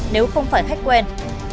nếu không phải khách quen